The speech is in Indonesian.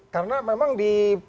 karena memang di